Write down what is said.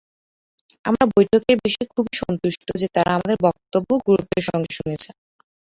আমরা বৈঠকের বিষয়ে খুবই সন্তুষ্ট যে তারা আমাদের বক্তব্য গুরুত্বের সঙ্গে শুনেছেন।